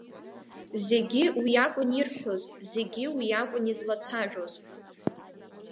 Зегьы уи акәын ирҳәоз, зегьы уи акәын излацәажәоз.